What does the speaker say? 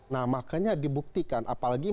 nah makanya dibuktikan apalagi